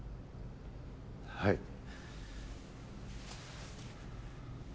はい。